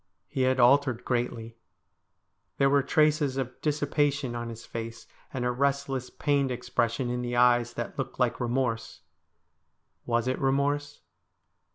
He had altered greatly > There were traces of dissipation on his face, and a restless, pained ex pression in the eyes that looked like remorse. Was it remorse